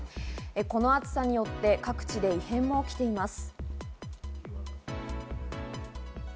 この暑さによって各地で異変が起きています。